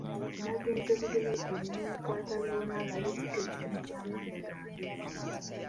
Nagenze buggereggere ne mukwata lubona nga yeetikka ekitundutundu ky’amanda gange.